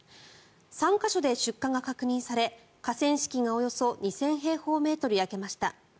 ３か所で出火が確認され河川敷がおよそ２０００平方メートル焼けました。